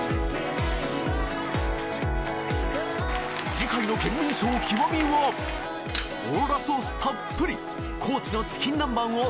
次回の『ケンミンＳＨＯＷ極』はオーロラソースたっぷり！